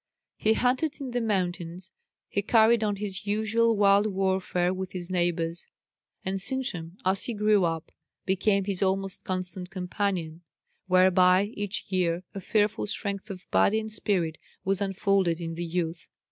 He hunted in the mountains; he carried on his usual wild warfare with his neighbours; and Sintram, as he grew up, became his almost constant companion; whereby each year a fearful strength of body and spirit was unfolded in the youth.